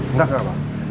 enggak enggak pak